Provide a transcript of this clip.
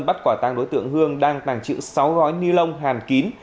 bắt quả tăng đối tượng hương đang tàng trữ sáu gói ni lông hàn kín